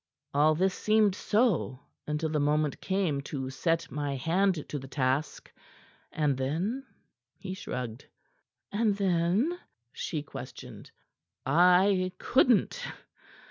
All this seemed so until the moment came to set my hand to the task. And then " He shrugged. "And then?" she questioned. "I couldn't.